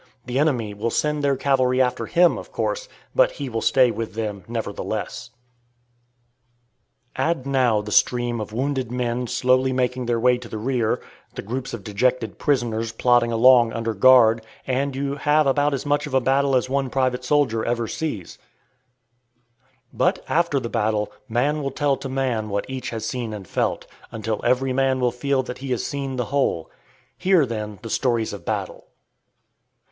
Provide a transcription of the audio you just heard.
The enemy will send their cavalry after him, of course, but he will stay with them, nevertheless. Add now the stream of wounded men slowly making their way to the rear; the groups of dejected prisoners plodding along under guard, and you have about as much of a battle as one private soldier ever sees. [Illustration: COMING OUT] But after the battle, man will tell to man what each has seen and felt, until every man will feel that he has seen the whole. Hear, then, the stories of battle.